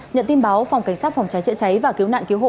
nhận tin báo phòng cảnh sát phòng cháy chữa cháy và cứu nạn cứu hộ